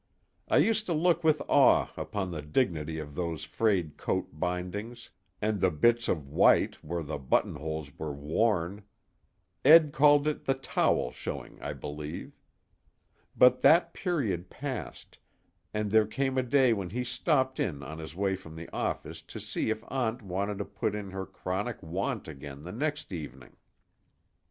I used to look with awe upon the dignity of those frayed coat bindings, and the bits of white where the button holes were worn Ed called it "the towel" showing, I believe. Then that period passed, and there came a day when he stopped in on his way from the office to see if Aunt wanted to put in her chronic want again the next evening.